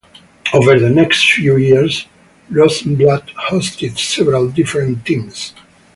Over the next few years Rosenblatt hosted several different teams.